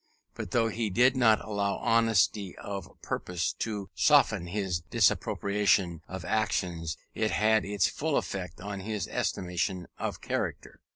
But though he did not allow honesty of purpose to soften his disapprobation of actions, it had its full effect on his estimation of characters.